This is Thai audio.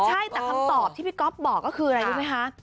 ใช่แต่คำตอบที่พี่ก๊อฟบอกก็คืออะไรรู้ไหมคะ